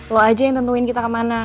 lo aja yang tentuin kita kemana